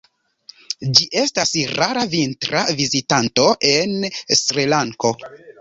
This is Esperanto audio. Ĝi estas rara vintra vizitanto en Srilanko.